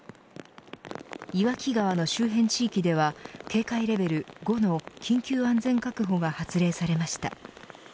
岩木川の周辺地域では警戒レベル５の緊急安全確保が発令されました。